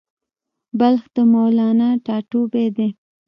بلخ د مولانا ټاټوبی دی